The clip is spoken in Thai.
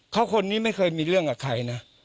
เขาคนนี้ไม่เคยมีเรื่องกับใครนะ